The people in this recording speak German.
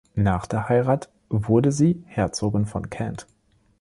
Nach der Heirat wurde sie die Herzogin von Kent.